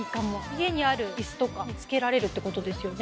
家にある椅子とか付けられるってことですよね。